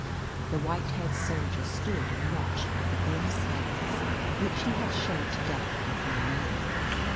The white haired soldier stood and watched with the grim silence which he had showed to death before now.